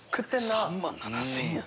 ３万７０００円やで。